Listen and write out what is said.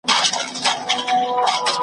له شهبازونو هیري نغمې دي .